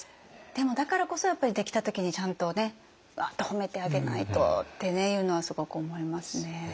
でもだからこそやっぱりできた時にちゃんとねわっと褒めてあげないとっていうのはすごく思いますね。